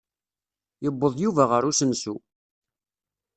Yuweḍ Yuba ɣer usensu.